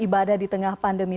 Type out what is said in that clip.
beda di tengah pandemi